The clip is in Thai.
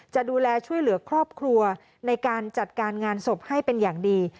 จะดูแลช่วยเหลือครอบครัวในการจัดการงานศพให้เป็นอย่างดี